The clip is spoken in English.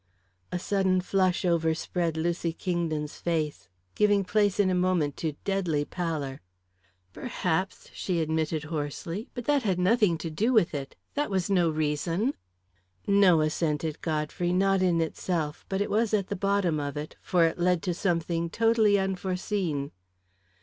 A sudden flush overspread Lucy Kingdon's face, giving place in a moment to deadly pallor. "Perhaps," she admitted hoarsely. "But that had nothing to do with it. That was no reason!" "No," assented Godfrey; "not in itself. But it was at the bottom of it for it led to something totally unforeseen."